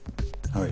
はい。